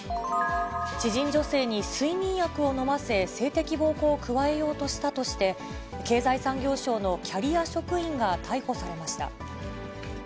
知人女性に睡眠薬を飲ませ、性的暴行を加えようとしたとして、経済産業省のキャリア職員が逮捕されました。